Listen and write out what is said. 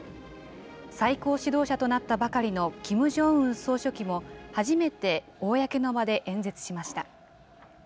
最高指導者となったばかりのキム・ジョンウン総書記も、初めて公の場で演説しました。